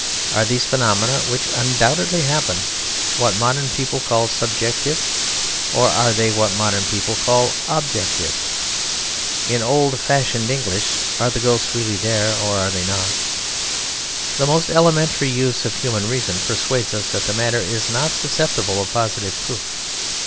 Are these phenomena (which undoubtedly happen) what modern people call subjective, or are they what modern people call objective? In old fashioned English, Are the ghosts really there or are they not? The most elementary use of the human reason persuades us that the matter is not susceptible of positive proof.